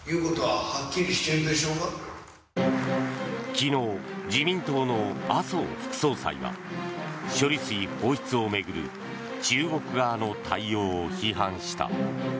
昨日、自民党の麻生副総裁は処理水放出を巡る中国側の対応を批判した。